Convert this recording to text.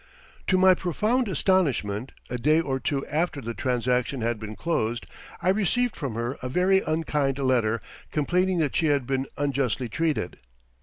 To my profound astonishment, a day or two after the transaction had been closed, I received from her a very unkind letter complaining that she had been unjustly treated.